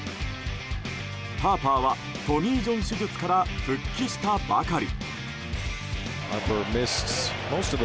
ハーパーはトミー・ジョン手術から復帰したばかり。